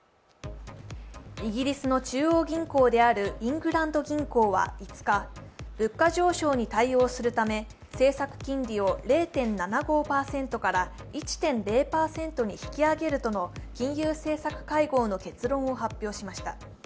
イギリスの中央銀行であるイングランド銀行は５日、物価上昇に対応するため政策金利を０．７５％から１．０％に引き上げるとの金融政策会合の結論を発表しました。